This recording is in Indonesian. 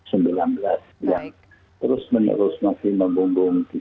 yang terus menerus masih membumbung di sana